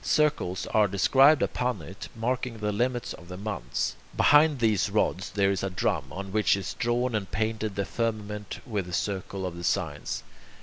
Circles are described upon it, marking the limits of the months. Behind these rods there is a drum, on which is drawn and painted the firmament with the circle of the signs.